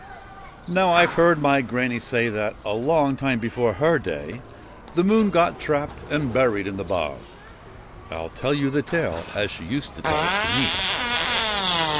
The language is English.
Now, I 've heard my Granny say that a long time before her day the Moon got trapped and buried in the bog. I '11 tell you the tale as she used to tell it to me.